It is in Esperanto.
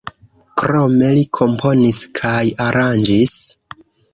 Krome li komponis kaj aranĝis.